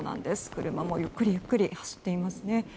車もゆっくりゆっくり走っていますね。